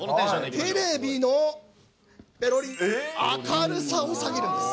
テレビの、ぺろりん、明るさを下げるんです。